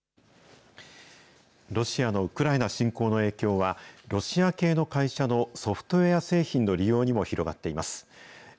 ロシアのウクライナ侵攻の影響は、ロシア系の会社のソフトウエア製品の利用にも広がっています。